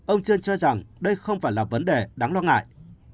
ông trên cho rằng đây không phải là vấn đề đáng lo ngại